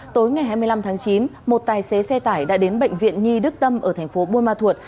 tối ngày hai mươi năm tháng chín một tài xế xe tải đã đến bệnh viện nhi đức tâm ở thành phố buôn ma thuột